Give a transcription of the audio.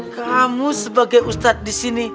kamu sebagai ustad disini